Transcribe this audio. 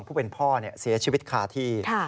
ผู้เป็นพ่อเสียชีวิตคาที่